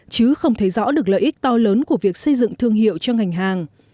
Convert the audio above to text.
chứ không thấy rõ được lợi ích to lớn của việc xây dựng thương hiệu cho ngành hàng